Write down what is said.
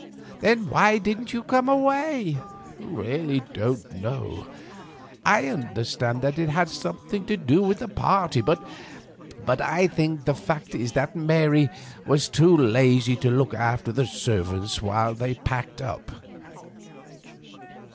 "Then why didn't you come away?" "Really I don't know. I understood that it had something to do with a party, but I think the fact is that Mary was too lazy to look after the servants while they packed up."